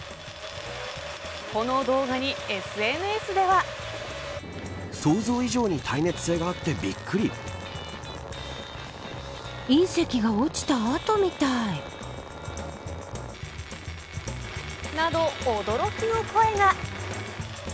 この動画にＳＮＳでは。など、驚きの声が。